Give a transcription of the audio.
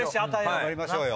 頑張りましょうよ。